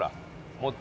もっと。